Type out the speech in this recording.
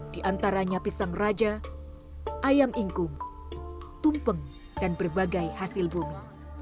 di antaranya pisang raja ayam ingkung tumpeng dan berbagai hasil bumi